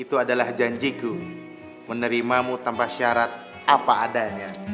itu adalah janjiku menerimamu tanpa syarat apa adanya